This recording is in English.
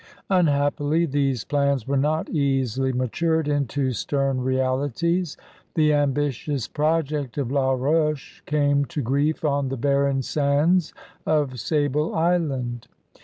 Unhappily these plans were not easily matured into stem realities. The ambitious project of La Roche came to grief on the barren sands of Sable Island.